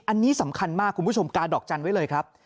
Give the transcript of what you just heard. อันนี้สำคัญมากคุณผู้ชมกาดอกจันทร์ไว้เลยครับ